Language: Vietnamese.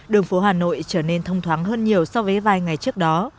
đường phố hà nội trở nên thông thoáng hơn nhiều so với vài ngày trước đó